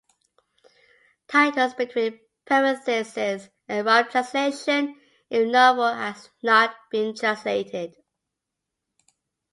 Titles between parentheses are rough translations if the novel has not been translated.